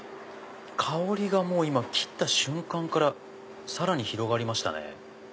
香りが切った瞬間からさらに広がりましたね。